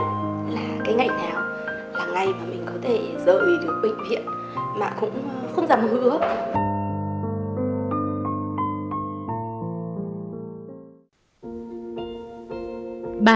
mà cũng không dám hứa